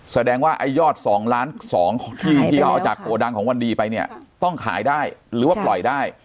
แสดงว่าไอ้ยอด๒ล้าน๒ที่ที่เขาเอาจากโกดังของวันดีไปเนี่ยต้องขายได้หรือว่าปล่อยได้